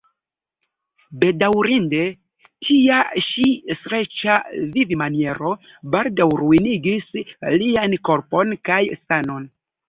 Bedaŭrinde tia ĉi streĉa vivmaniero baldaŭ ruinigis liajn korpon kaj sanon.